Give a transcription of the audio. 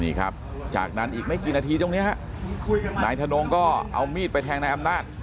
นี่ครับจากนั้นอีกไม่กี่นาทีตรงนี้ฮะนายทนงก็เอามีดไปแทงนายอำนาจ